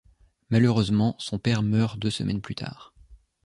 Malheureusement, son père meurt deux semaines plus tard.